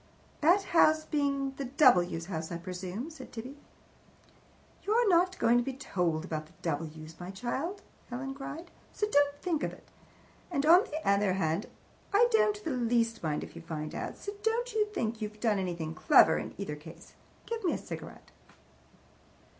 "That house being the W.'s house, I presume," said Tibby. "You're not going to be told about the W.'s, my child," Helen cried, "so don't you think it. And on the other hand, I don't the least mind if you find out, so don't you think you've done anything clever, in either case. Give me a cigarette."